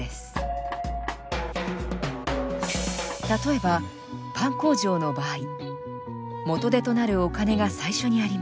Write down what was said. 例えばパン工場の場合元手となるお金が最初にあります。